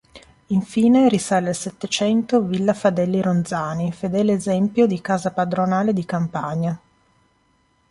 Infine, risale al Settecento Villa Fadelli-Ronzani, fedele esempio di casa padronale di campagna.